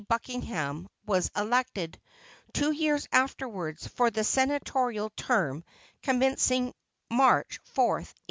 Buckingham, was elected, two years afterwards, for the senatorial term commencing March 4, 1869.